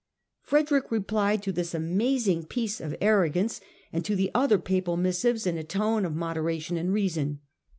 Frederick replied to this amazing piece of arrogance and to the other Papal missives in a tone of moderation and reason.